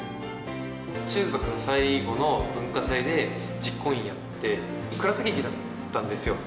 中学の最後の文化祭で実行委員をやって、クラス劇だったんですよ。